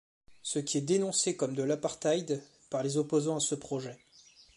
Ce qui est dénoncé comme de l'apartheid par les opposants à ce projet.